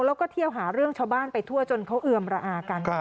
แล้วก็เที่ยวหาเรื่องชาวบ้านไปทั่วจนเขาเอือมระอากัน